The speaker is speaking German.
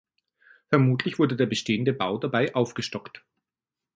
Vermutlich wurde der bestehende Bau dabei aufgestockt.